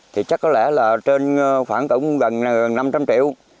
thì chắc có lẽ là trên khoảng tổng gần năm trăm linh triệu